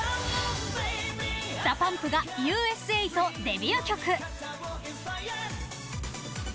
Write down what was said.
ＤＡＰＵＭＰが「Ｕ．Ｓ．Ａ」とデビュー曲。